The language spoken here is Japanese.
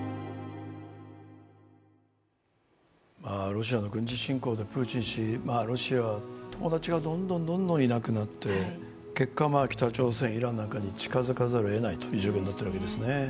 ロシアの軍事侵攻でプーチン氏、ロシア友達がどんどんいなくなって結果、北朝鮮、イランなんかに近づかざるをえないわけですね。